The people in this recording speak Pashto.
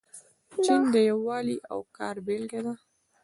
چین د یووالي او کار بیلګه ده.